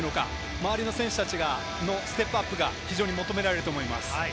周りの選手たちのステップアップが非常に求められると思います。